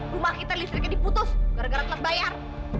rumah kita listriknya diputus gara gara kelas bayar